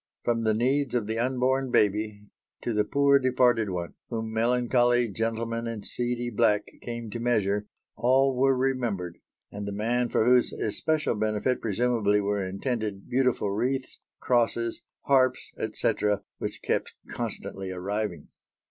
From the needs of the unborn baby, to the "poor departed one," whom melancholy gentlemen in seedy black came to measure, all were remembered, and the man for whose especial benefit presumably were intended beautiful wreaths, crosses, harps, etc., which kept constantly arriving.